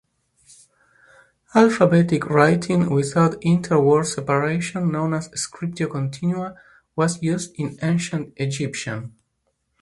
Alphabetic writing without inter-word separation, known as "scriptio continua", was used in Ancient Egyptian.